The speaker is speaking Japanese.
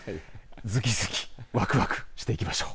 ずきずきわくわくしていきましょう。